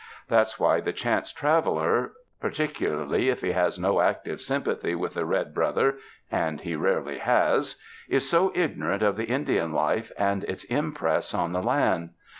That's why the chance traveler, par ticularly if he has no active sympathy with the red brother — and he rarely has — is so ignorant of the Indian life and its impress on the land.